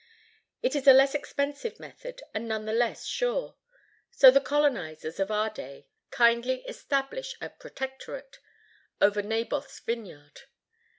It is a less expensive method, and none the less sure. So the colonizers of our day kindly establish a "protectorate" over Naboth's vineyard.